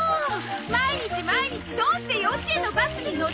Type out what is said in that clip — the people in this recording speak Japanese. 毎日毎日どうして幼稚園のバスに乗り遅れるのよ！